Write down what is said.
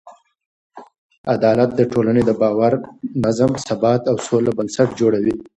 عدالت د ټولنې د باور، نظم، ثبات او سوله بنسټ جوړوي.